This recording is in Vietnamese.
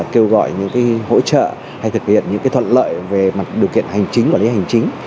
kêu gọi những hỗ trợ hay thực hiện những thuận lợi về mặt điều kiện hành chính quản lý hành chính